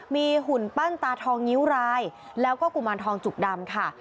มีหุ่นปั้นตาทองนิ้วรายแล้วก็กุมารทองจุกดำค่ะ